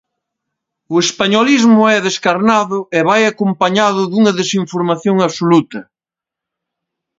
O españolismo é descarnado e vai acompañado dunha desinformación absoluta.